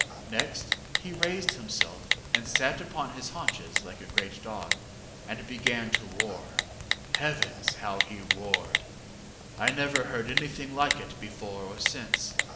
Next he raised himself and sat upon his haunches like a great dog, and began to roar. Heavens! how he roared! I never heard anything like it before or since.